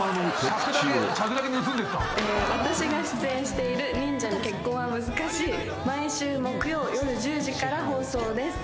私が出演している『忍者に結婚は難しい』毎週木曜夜１０時から放送です。